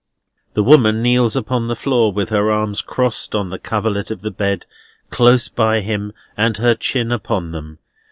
The woman kneels upon the floor, with her arms crossed on the coverlet of the bed, close by him, and her chin upon them.